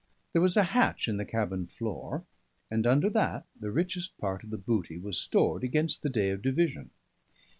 There was a hatch in the cabin floor, and under that the richest part of the booty was stored against the day of division.